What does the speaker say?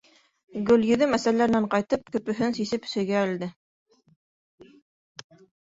Гөлйөҙөм, әсәләренән ҡайтып, көпөһөн сисеп сөйгә элде.